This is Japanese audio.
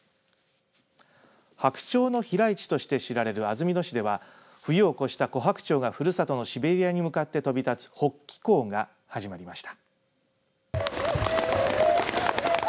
白鳥の飛来地として知られる安曇野市では冬を越したコハクチョウがふるさとのシベリアに向かって飛び立つ北帰行が始まりました。